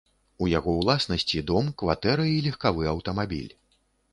У яго ўласнасці дом, кватэра і легкавы аўтамабіль.